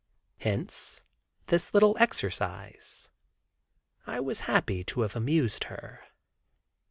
Hence this little exercise, I was happy to have amused her.